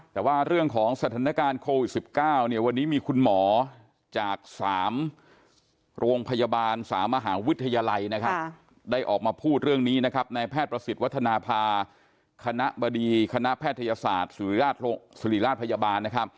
แต่ว่าเรื่องของสถานการณ์โควิด๑๙วันนี้มีคุณหมอจาก๓โรงพยาบาล๓มหาวิทยาลัยนะครับได้ออกมาพูดเรื่องนี้นะครับในแพทย์ประสิทธิ์วัฒนภาคณะบดีคณะแพทยศาสตร์สุริราชพยาบาลนะครับ